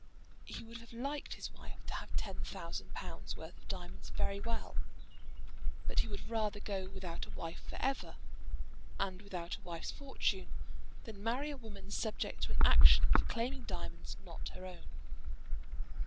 He would have liked his wife to have ten thousand pounds' worth of diamonds very well; but he would rather go without a wife for ever, and without a wife's fortune, than marry a woman subject to an action for claiming diamonds not her own.